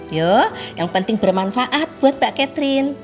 yuk yang penting bermanfaat buat mbak catherine